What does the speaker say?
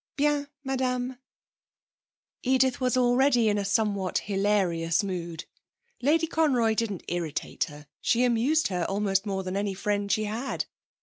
'Bien, madame.' Edith was already in a somewhat hilarious mood. Lady Conroy didn't irritate her; she amused her almost more than any friend she had.